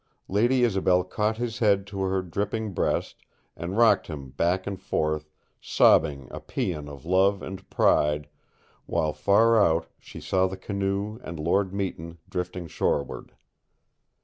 Lady Isobel caught his head to her dripping breast, and rocked him back and forth, sobbing a paean of love and pride, while far out she saw the canoe and Lord Meton drifting shoreward.